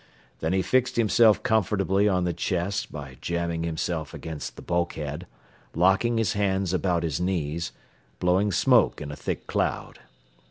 Then he fixed himself comfortably on the chest by jamming himself against the bulkhead, locking his hands about his knees, blowing smoke in a thick cloud.